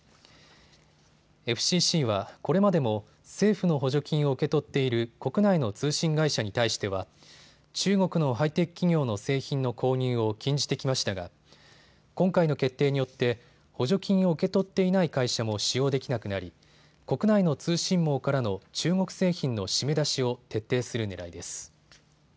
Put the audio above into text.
ＦＣＣはこれまでも政府の補助金を受け取っている国内の通信会社に対しては中国のハイテク企業の製品の購入を禁じてきましたが今回の決定によって補助金を受け取っていない会社も使用できなくなり国内の通信網からの中国製品の締め出しを徹底するねらいです。